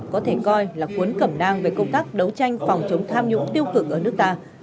có thể coi là cuốn cẩm nang về công tác đấu tranh phòng chống tham nhũng tiêu cực ở nước ta